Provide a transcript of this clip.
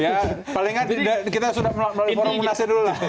ya paling tidak kita sudah melalui forum munasnya dulu lah